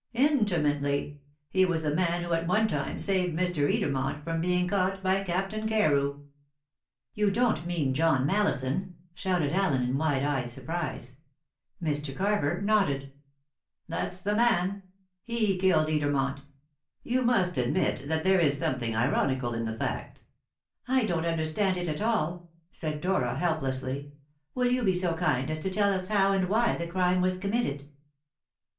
"Intimately. He was the man who at one time saved Mr. Edermont from being caught by Captain Carew." "You don't mean John Mallison?" shouted Allen in wide eyed surprise. Mr. Carver nodded. "That's the man. He killed Edermont. You must admit that there is something ironical in the fact?" "I don't understand it at all," said Dora helplessly. "Will you be so kind as to tell us how and why the crime was committed?"